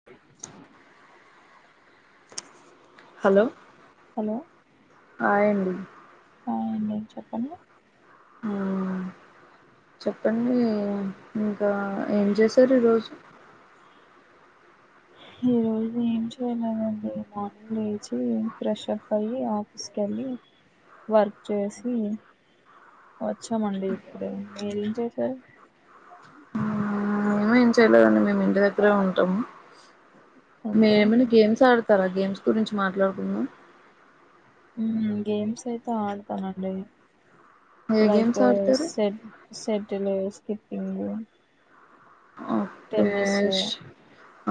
అ [inaudible] hello hi అండి hi అండి చెప్పండి ఆ చెప్పండి ఇంకా ఏం చేశారు ఈరోజు అ [inaudible] ఈరోజు ఏం చేయలేదు అండి మార్నింగ్ లేచి ఫ్రెష్ప్ అయ్యి ఆఫీసుకి వెళ్ళి వర్క్ చేసి వచ్చామండి ఇప్పుడు మీరేం చేసారు ఉ ఆ ఏం చేయలేదు అండి మేము ఇంటి దగ్గరే ఉంటాము మీరు ఓకే ఏమైనా గేమ్స్ ఆడు ఆడుతారా గేమ్స్ గురించి మాట్లాడుకుందాం ఉ గేమ్స్ అయితే ఆడతానండి ఏ లైక్ గేమ్స్ ఆడతారు సెట్ సెటిల్ స్కిప్పింగ్ ఓకే టెన్నిస్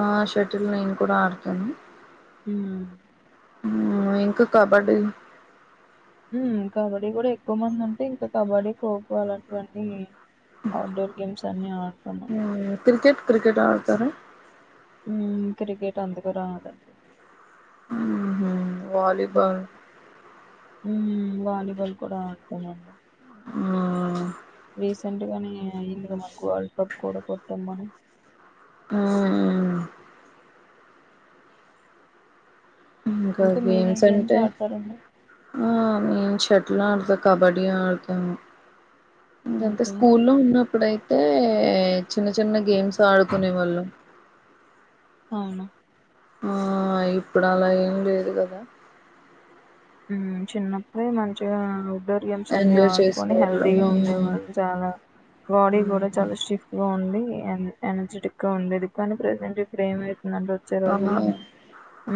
ఆ షర్టిల్ నేను కూడా ఆడుతాను హూ ఇంకా కబడ్డీ కబడ్డీ కూడా ఎక్కువ మంది ఉంటే ఇంకా కబడ్డీ ఖోఖో అలాంటివన్నీ ఔట్డోర్ గేమ్స్ అన్ని ఆడుతన్నా మ్మ్, క్రికెట్ క్రికెట్ ఆడతార ఉ క్రికెట్ అంతాగా రాదు మ్మ్హ. వాలీబాల్ ఉ వాలీబాల్ కూడా ఆడుతానండి ఉ రీసెంట్ గాని ఇందుక మాకు వరల్డ్ కప్ కూడా కొట్టామని. ఆ ఇంకా మీరు ఏ గేమ్స్ అంటే ఆడతారండి ఆ నేను షట్ల్ ఆడుతా కబడి ఆడుతను ఇంగంతే ఓకే స్కూల్లో ఉన్నప్పుడయితే చిన్న చిన్న గేమ్స్ తడుకునే వాళ్ళం అవును ఆ ఇప్పుడు అలా ఎమ్ లేదు కదా ఉమ్ చిన్నప్పుడే మంచిగా డోరియమ్స్ అన్ని ఎంజాయ్ ఆడుకొని చేసేవాళ్ళం హెల్తీగా హ్మ్. ఉండేవాళ్ళు చాలా. బాడీ హ్మ్. కూడా చాలా స్టిఫ్ గా ఉండి ఎన్ ఎనర్జెటిక్ గా ఉండేది ఇది కానీ ప్రెజెంట్ ఇప్పుడు ఎమ్ వచ్చే అలా రోజుల్లో ఉ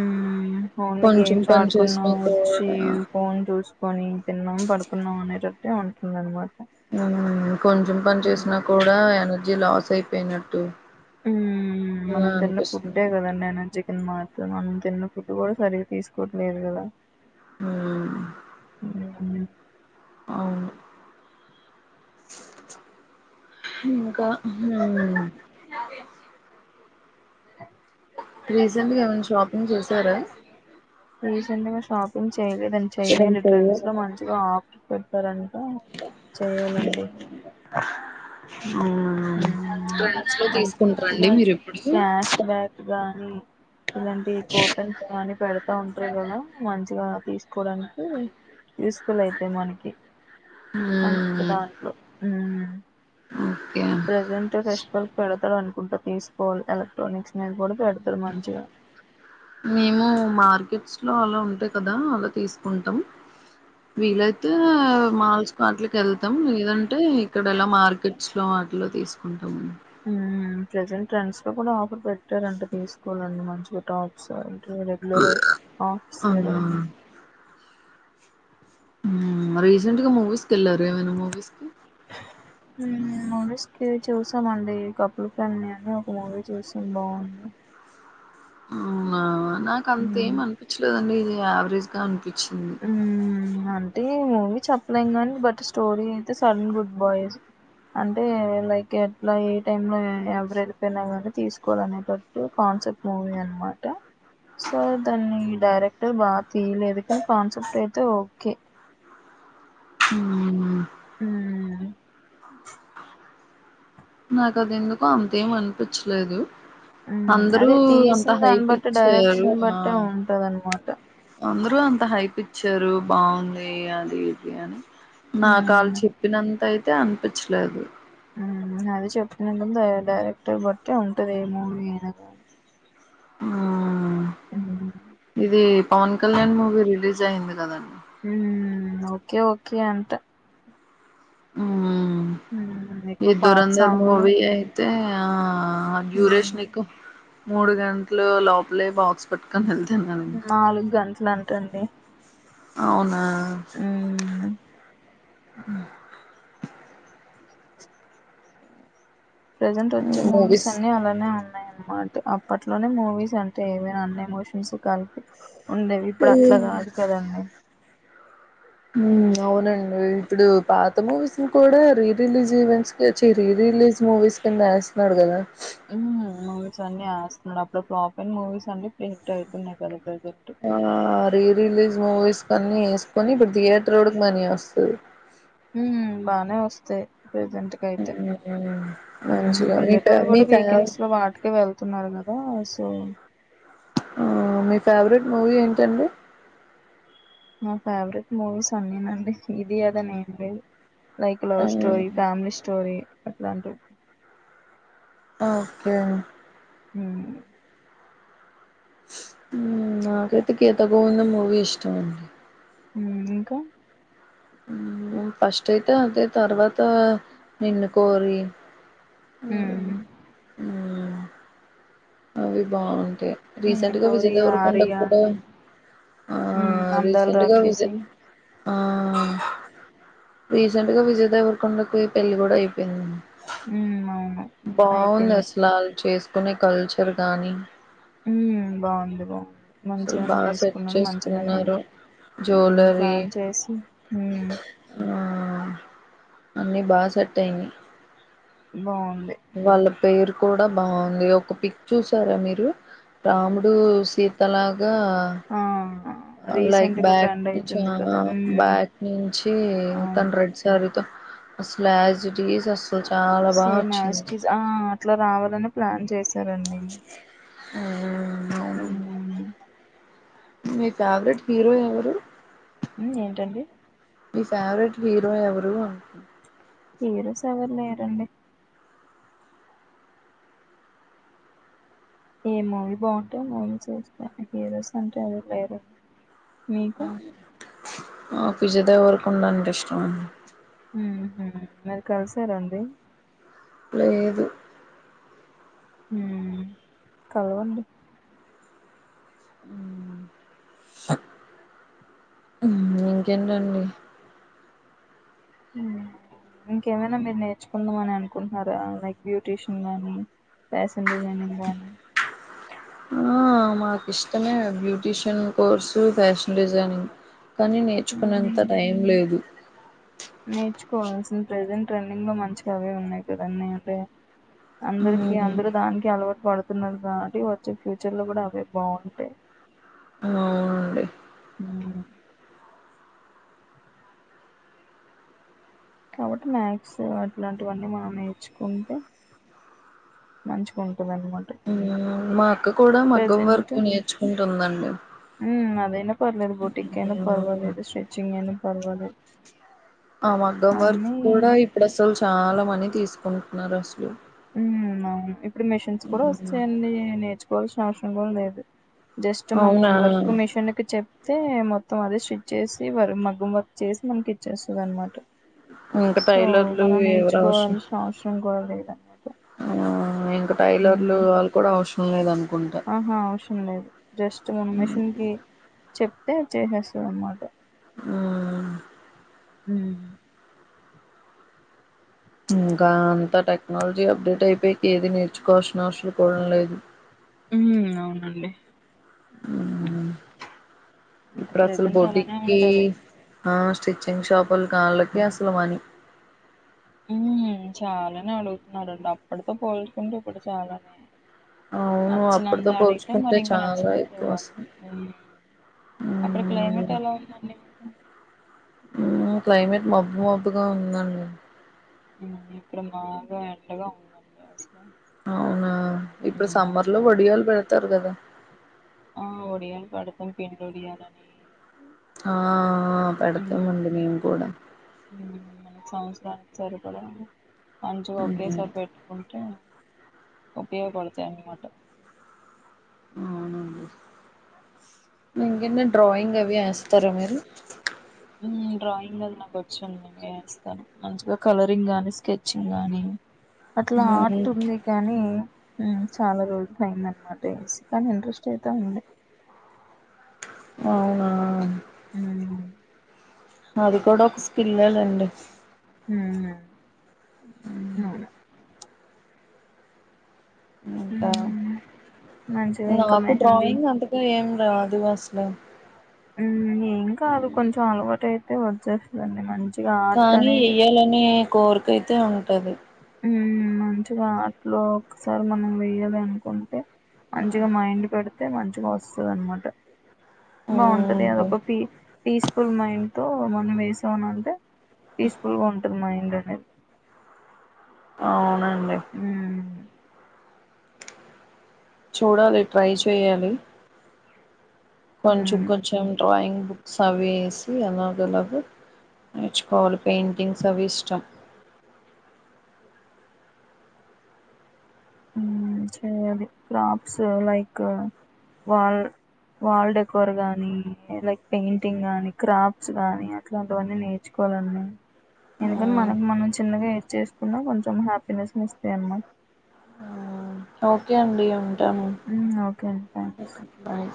ఓన్లీ కొంచెం గేమ్స్ పని ఆడుకున్నా చేసినా వొ ఈ కూడా ఫోన్ చూస్కోని తిన్నాం పడుకున్నాం అనేటట్టు అంటుంది అనమాట. ఉ కొంచెం పని చేసినా కూడా ఎనర్జీ లాస్ అయిపోయినట్టు ఉ అలా మనం తిన్న ఫుడే అనిపిస్తుంది కదండి ఎనర్జీ కింద మర్ ఇప్పుడు మనం తిన్న ఫుడు కూడా సరిగ్గా తీసుకోవట్లేదు కదా. హ్మ్. ఉ ఉ అవును ఇంకా హు రీసెంట్గా ఏమైనా షాపింగ్ చేసారా చెయలేదండి చెయ్యాలి ట్రెంట్స్ లో మంచిగా ఆఫర్ పెడాతారని గ చేయాలండి అవునా ఉ ట్రెండ్స్ లో తీసుకుంటారండి మంచిగా మీరు ఇప్పుడు క్యాష్ బ్యాక్ గాని ఇలాంటివి కూపెన్స్ గాని పెడతా ఉంటారు కదా మంచిగా తీస్కోవడానికి యూస్ఫుల్ అయితాయి మనకి అంతే మ్మ్ దాంట్లో ఉ ఓకే ప్రెజెంట్ ఫెస్టివల్ పెడతారన్ కుంట్ట తీస్కోవలి ఎలక్ట్రోనిక్స్ మీద కూడ పెడతారు మంచిగా. మేము మార్కెట్స్ లో అలా ఉంటాయి కదా అలా తీసుకుంటాం. వీలైతే మాల్స్ వాట్లకి వెళ్తాం లేదంటే ఇక్కడ ఎలా మార్కెట్ స్లో వాట్లో తీసుకుంటాము ఉ ప్రెజెంట్ ట్రెంట్స్ లో కూడా ఆఫర్ పెట్టారంట తీసుకోవాలండి మంచిగా టాప్స్ అవి రెగ్యలరు ఆఫీస్ వేర్ అవునా ఏమైనా ఉ రీసెంట్గా మూవీస్కి వెళ్ళారా ఏమైనా మూవీస్ కి ఉ మూవీస్ కి చూసామండి కపుల్ ఫ్యామిలీ అని ఒక మూవీ చూసాం బాగుంది. అవునా నాకేమ్ అంత మ్మ్ ఎమ్ అనిపించలేదండి ఇది యావరేజ్ గా అన్ ఉ అంటే అని చెప్పలేం కానీ బట్ స్టోరీ అయితే సడన్ గుడ్ బాయ్స్ అంటే లైక్ ఎట్లా ఏ టైమ్ లో ఎవరయిపోయినా కానీ తీసుకోవాల అనేటట్టు కాన్ కాన్సెప్ట్ మూవీ అనమాట సో దాన్ని డైరెక్టర్ బాగా తీయలేదు కానీ కోన్సెప్ట్ అయితే ఓకే. ఉ ఉ నాకి అది ఎందుకో అంతేం అనిపించలేదు మ్మ్ అందరూ అదే అంత తీసిన దాన్ని బట్టి హైపిచ్చారు డైరెక్షన్ ఆ బట్టే ఉంటదనమాట అందరూ అంత హైపిచ్చారు బాగుంది అది ఇది అని నాకు వాళ్ళు మ్మ్ చెప్పినంత అయితే అనిపించలేదు అది చెప్తు డైరెక్టర్ బట్టి ఉంటద ఏమో ననగా ఆ ఇది పవన్ కళ్యాణ్ మూవీ రిలీజ్ అయింది కదండి ఓకే ఓకే అంట హ మ్మ్ ఈ ఎక్కువ పాత దరంధర్ సాంగులు మూవి అయితే మ్మ్ డ్యూరేషన్ మూ గంటలు లోపలే బాక్స్ లుతన్న ఎలాంటండి అవునా ప్రజెంట్ వచ్చే మూవీస్ అన్ని అలానే ఉన్నాయి అన్నమాట అప్పట్లోనే మూవీస్ అంటే ఏవైనా అన్న ఎమోషన్స్ కలిపి ఉండేవి ఇప్పుడు హ్మ్. అట్లా కాదు కదండడి అవునండి ఇప్పుడు పాత మూవీస్ ని కూడా రీ రిలీజ్ ఈవెంట్స్ చిర రిలీజ్ మూవీస్ కింద వేస్తున్నాడు కదా మూవీస్ అన్ని వస్తున్నాడు అప్పుడు ప్ర్లాప్ అండ్ మూవీస్ అన్ని ప్రింట్ అవుతున్నాయి క ఆ రీ రిలీజ్ మూవీస్ కన్ని వేసుకొని ఇప్పుడు థియేటర్ ఒకకి మనీ వస్తుంది [unintelligible] హ బానే వస్తాయి ప్రజెంట్గా అయితే ఉమ్ మంచిగా మీ ఫే వెళ్లేేటోళ్ళు మీ కూడా ఫేవ వీకెండ్స్ లో వాటికి వెళ్తున్నారు కదా సో మీ ఫేవరెట్ మూవీ ఏంటండి మా ఫేవరెట్ మూవీస్ అన్నీనండి ఇది అద న ఏంటీ లైక్ లవ్ ఆ స్టోరీ ఫ్యామిలీ స్టోరీ అట్లాంటి ఓకే హ [unintelligible] మూవీ ఇష్టమ అండి ఇంకా ఫస్ట్ అయితే అదే తర్వాత నిన్ను కోరి మ్ అ అవి బాగుంటాయి నిన్ను రీసెంట్ గా విజయ కోరి దగర ఆర్య కొండకు కూడా ఆ మ్ అందాల రీసెంట్గా విజ రాక్షసి ఆ రీసెంట్ గా విజయ్ దేవరకొండకి పెళ్లి కూడా అయిపోయింది [unintelligible] బాగుంది అయిపోయింది అసలు వాళ్ళు చేసుకునే కల్చర్ కాగానీ బాగుంది బాగుంది అసలు మంచిగానే బాగా సెట్ చేసుకున్నాను మంచిగానే చేసుకున్నారు జ్యువెలరీ ప్లాన్ చేసి అన్నీ బా సట్యియి బా వాళ్ళ పేరు కూడా బాగుంది ఒక పిక్ చూసారా మీరు రాముడు సీతలాగా ఆ లైక్ రీసెంట్గా బ్యాక్ ట్రెండ్ అయితుంది ను కదా మ్ బ్యాక్ నుంచి అవును తన రెడ్ సారి అసలజ సస్లు చాల బ [unintelligible] అట్లా రావాలని ప్లాన్ చేశారుడి ఆ ఉ మీ ఫేవరెట్ హీరో ఎవరు ఏంటండి మీ ఫేవరెట్ హీరో ఎవరు హీరోస్ ఎవరు లేరండి ఏ మూవీ బాగుంటే ఆ మూవీ చూస్తా హీరోస్ అంటే ఎవరు లేరు ఆ విజయ్ దొవరకొండ అంటే ఇష్టంమ మరి కలిసారండి లేదు కలవండి ఇంకేంటండి ఉమ్ ఇంకేమైనా మీరు నేర్చుకుందాం అని అనుకుంటున్నారా లైక్ బ్యూటీషియన్ గాని ఫ్యాషన్ డిజైనింగండి మాకు ఇష్టమే బ్యూటీషియన్ కోర్సు ఫ్యాషన్ డిజైనింగ్ కానీ నేర్చుకునేంత టైం లేదు నేర్చుకోవాల్సింది ప్రెజెంట్ ట్రెండింగ్ లో మంచిగా అవే ఉన్నాయి కదా అన్ని అంటే అందరికి ఉమ్, అందరూ దానికి అలవాటు పడు తున్నారు కాబట్టి వచ్చే ఫ్యూచర్ లో కూడా అవే బాగుంటాయ్ అవునండి కాబట్టి వాక్స్ అట్లాంటివన్నీ మనం నేర్చుకుంటే మంచోకో మా అక్క కూడా మగం ప్రజెంట్ వరకు నేర్చుకుంటుందండి అదేన్న పర్వాలలేదు బూటీక్ ఐనా హ్మ్. పర్వాలేదు స్టిచ్చింగ్ అయినా పర్వాలేదు ఆ మగ్గం వర్క్ అన్నీ కూడా ఇప్పుడు అసలు చాలా మని తీసుకుంటున్నారు అసలు అవును ఇప్పుడు మెషిన్స్ కూడా వస్తాయండి నేర్చుకోవాల్సిన అవసరం కూడా లేదు జస్ట్ మనం అవునా వర్క్ మిషన్ కి చెప్ అయితే మొత్తం అదే స్టిచ్ చేసి వర్ మగ్గం వర్క్ చేసి మనకి ఇచ్చేస్తుందనమాట ఇంకా సో టైలర్లు మనం ఎవరు అవసరం నేర్చుకోవాల్సిన అవసరం కూడా లేదనమాట ఇంకా టైలర్లు ఉమ్. వాళ్ళు కూడా అవసరం లేదన ఆహా అవసరం లేదు జస్ట్ మన మెషన్ కి చెప్తే చేసేస్తంది అనమాట హ్మ్. ఉమ్ ఇంకా అంత టెక్నాలజీ అప్డేట్ అయిపోయి ఏది నేర్చుకోవాల్సిన అవసరం కూడా లేదు అవునండి ఇంకా ఇప్పుడు అసలు ప్రజెంట్ అలానే బోటికి ఉంటది ఆ స్టిచ్ చికెన్ షాపుల వాళ్ళకి అసలు మనీ ఉ చాలానే అడుగుతున్నారండి అప్పటితో పోల్చకుంటే ఇప్పుడు చాలానే అవును అప్పుటితో నచ్చినంత అడిగితే పోల్చుకుంటే మరి ఇంకా చాలా నచ్చినంత ఎక్కువ ఇవ్వాలి వస్తుంది అక్కడ క్లైమేట్ ఎలా ఉందండి మీకు క్లైమేట్ మబ్బు మబ్బుగా ఉందండి ఇప్పుడ బాగా ఎండగా ఉందండి అసలు అవునా ఇప్పుడు ఉమ్ సమ్మర్ లో చాలా వడియాలు పెడతార్ కదా ఆ ఒడియాల పెడతం పిండి ఒడియాలని పడతం ఉమ్, అండి మీమ్ కూడా ఉమ్, సంవత్సరానికి సరిపడ మంచిగా హ్మ్. ఒకేసారి పెట్టుకుంటే ఉపయోగపడతాయ్ అనమాట అవునండి ఇంకేంటి డ్రాయింగ్ అవి వేస్తారా మీరు డ్రాయింగ్ మీద నాకు వచ్చి మంచిగా కలరింగ్ గాని స్కెచింగ్ గానీ అట్లా హ్మ్. ఆట్ ఉంది కానీ చాలా రోజులు అయింది అనమాటసి కాని ఇంట్రెస్ట్ అయిత ఉంది అవునా ఉమ్, మాది కూడా కుస్ పిల్లలండి ఉమ్, ఊ అవును ఇంకా ఉమ్, మంచిగా నా ఇంకా మాకు మెహందీ డ్రాయింగ్ అంతకు ఏం రాదు అసలు ఊ ఏం కాదు కొంచెం అలవాటు అయితే వచ్చేస్తదండి మంచి కానీ వెయ్యాలనే కోరిక అయితే ఉంటది మంచిగా అట్లో ఒకసారి మనం వేయాలి అనుకుంటే మంచిగా మైండ్ పెడితే మంచిగా వస్తది అనమాట బాగుంటది అదొక పీ పీస్ఫుల్ మైండ్ తో మనం వేసామనంటే పీస్ఫుల్ గా ఉంటుంది మైండ్ అనేది అవునండి మ్మ్ చూడాలి ట్రై చేయాలి కొంచెం మ్మ్ కొంచెం డ్రాయింగ్ బుక్స్ అవి వేసి అలాగెలగో నేర్చుకోవాలి పెయింటింగ్స్ అవి ఇష్టం ఊ చేయాలి క్రాట్స్ లైక్ వాళ్ వాల్ డెకవర్ గానీ లైక్ పెయింటింగ్ గానీ క్రాఫ్ట్స్ గానీ అట్లాంటివన్నీ నేర్చుకో కొలను ఆ, ఎందుకంటే మనకు మనం చిన్నగా ఎట్ చేసుకున్నా కొంచెం హ్యాపీనెస్ ఇస్తాయి అన్నమాట ఆ, ఓకే అండి ఉంటాము ఓకే అండి థ్యాంక్స్ ఓకే బాయ్